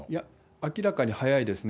明らかに早いですね。